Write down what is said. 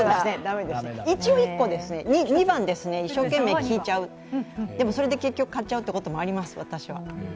一応１個です、２番です一生懸命聞いちゃうそれで結局買っちゃうということはあります。